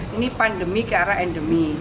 ini pandemi ke arah endemi